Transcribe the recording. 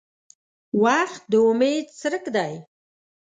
• وخت د امید څرک دی.